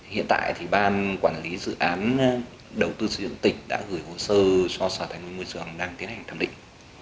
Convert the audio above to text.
hiện tại thì ban quản lý dự án đầu tư xây dựng tỉnh đã gửi hồ sơ cho sở tài nguyên môi trường đang tiến hành thẩm định